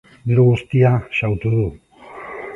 Diru guztia xahutu du.